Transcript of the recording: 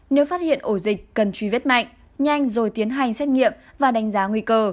nếu phát hiện ổ dịch cần truy vết mạnh nhanh rồi tiến hành xét nghiệm và đánh giá nguy cơ